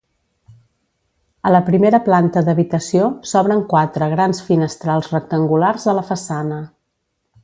A la primera planta d'habitació, s'obren quatre grans finestrals rectangulars a la façana.